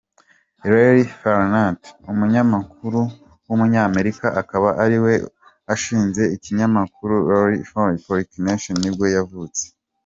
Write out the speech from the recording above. Larry Flynt, umunyamakuru w’umunyamerika akaba ariwe washinze ikinyamakuru Larry Flynt Publications nibwo yavutse.